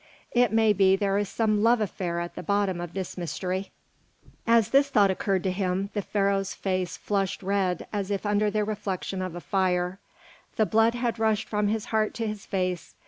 It may be there is some love affair at the bottom of this mystery." As this thought occurred to him, the Pharaoh's face flushed red as if under the reflection of a fire; the blood had rushed from his heart to his face.